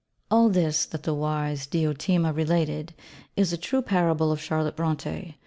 _ All this, that the wise Diotima related, is a true parable of Charlotte Brontë.